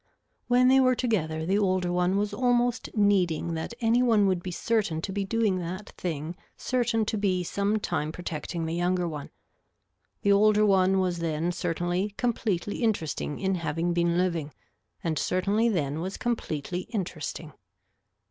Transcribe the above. When they were together the older one was almost needing that any one would be certain to be doing that thing certain to be sometime protecting the younger one. The older one was then certainly completely interesting in having been living and certainly then was completely interesting.